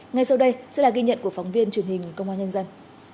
ngay sau đây sẽ là ghi nhận của phóng viên truyền hình công an nhân dân